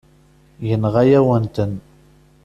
Yenɣa-yawen-ten.